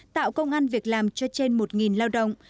tạo công an việc làm cho trên một lao động